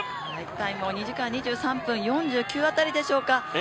タイムも２時間２３分４９辺りでしょうか。